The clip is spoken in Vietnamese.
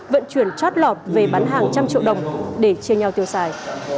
vận chuyển trót lọt về bán hàng một trăm linh triệu đồng để chia nhau tiêu xài